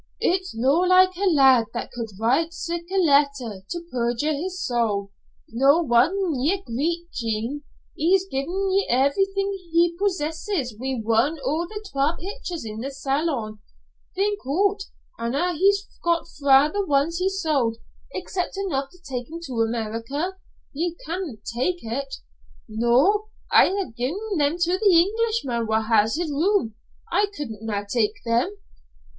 "It's no like a lad that could write sic a letter, to perjure his soul. No won'er ye greet, Jean. He's gi'en ye everything he possesses, wi' one o' the twa pictures in the Salon! Think o't! An' a' he got fra' the ones he sold, except enough to take him to America. Ye canna' tak' it." "No. I ha'e gi'en them to the Englishman wha' has his room. I could na' tak them."